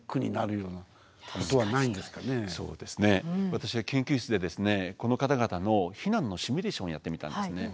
私は研究室でこの方々の避難のシミュレーションをやってみたんですね。